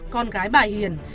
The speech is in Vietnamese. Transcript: con gái bà hiền